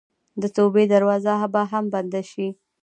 د توبې دروازه به هم بنده شي.